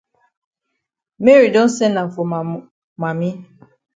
Mary don send am for ma mami.